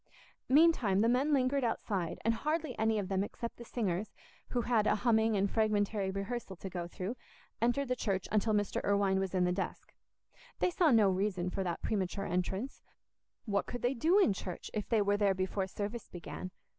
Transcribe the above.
Meantime the men lingered outside, and hardly any of them except the singers, who had a humming and fragmentary rehearsal to go through, entered the church until Mr. Irwine was in the desk. They saw no reason for that premature entrance—what could they do in church if they were there before service began?